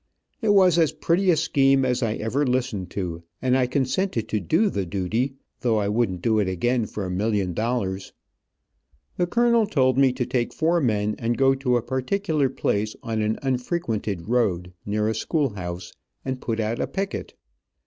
It was as pretty a scheme as I ever listened to, and I consented to do the duty, though I wouldn't do it again for a million dollars. The colonel told me to take four men and go to a particular place on an unfrequented road, near a school house, and put out a picket.